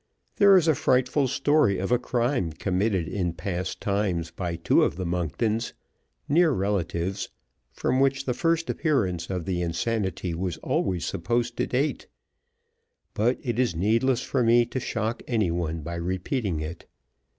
There is a frightful story of a crime committed in past times by two of the Monktons, near relatives, from which the first appearance of the insanity was always supposed to date, but it is needless for me to shock any one by repeating it.